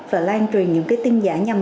và lan truyền những cái tin giả nhầm